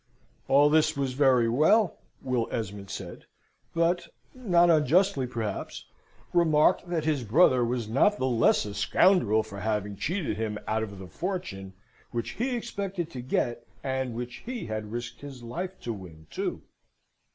"All this was very well," Will Esmond said; but not unjustly, perhaps, remarked that his brother was not the less a scoundrel for having cheated him out of the fortune which he expected to get, and which he had risked his life to win, too.